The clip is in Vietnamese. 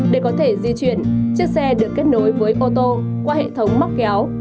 để có thể di chuyển chiếc xe được kết nối với ô tô qua hệ thống móc kéo